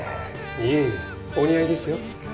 いえいえお似合いですよ。